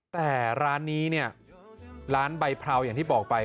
แต่ร้านนี้เนี่ยร้านใบเพราอย่างที่บอกไป